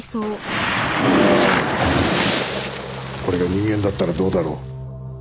これが人間だったらどうだろう？